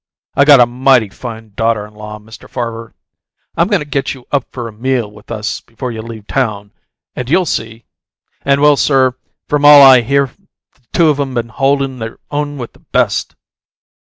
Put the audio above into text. I got a mighty fine daughter in law, Mr. Farver. I'm goin' to get you up for a meal with us before you leave town, and you'll see and, well, sir, from all I hear the two of 'em been holdin' their own with the best.